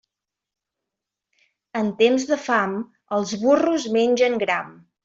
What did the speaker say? En temps de fam, els burros mengen gram.